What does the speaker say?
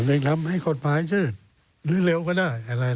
เรียกนำให้คนมาให้ชื่นหรือเร็วก็ได้